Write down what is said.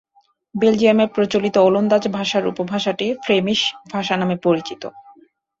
বেলজিয়ামে প্রচলিত ওলন্দাজ ভাষার উপভাষাটি ফ্লেমিশ ভাষা নামে পরিচিত।